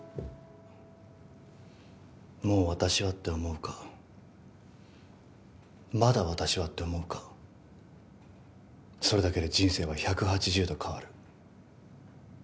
もう私はって思うかまだ私はって思うかそれだけで人生は１８０度変わる。